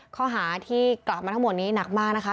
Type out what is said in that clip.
ข้อหาที่กลับมาทั้งหมดนี้หนักมากนะคะ